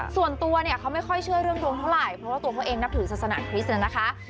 ส่วนตัวเนี่ยเขาไม่ค่อยเชื่อเรื่องดวงเท่าไหร่เพราะว่าตัวเขาเองนับถือศาสนาคริสต์นะคะ